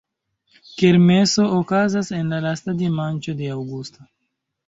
Kermeso okazas en la lasta dimanĉo de aŭgusto.